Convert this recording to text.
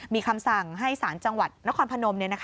มีคำสั่งให้สารจังหวัดนครพนม